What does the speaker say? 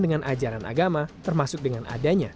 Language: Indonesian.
dengan ajaran agama termasuk dengan adanya